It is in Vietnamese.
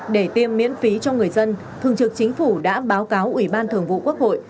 để tiêm miễn phí cho người dân thường trực chính phủ đã báo cáo ủy ban thường vụ quốc hội